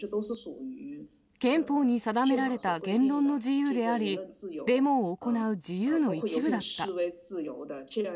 憲法に定められた言論の自由であり、デモを行う自由の一部だった。